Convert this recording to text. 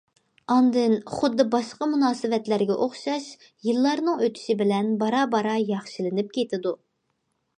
ئاندىن خۇددى باشقا مۇناسىۋەتلەرگە ئوخشاش، يىللارنىڭ ئۆتۈشى بىلەن بارا- بارا ياخشىلىنىپ كېتىدۇ.